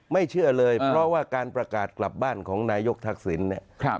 ไม่เชื่อเลยเพราะว่าการประกาศกลับบ้านของนายกทักศีล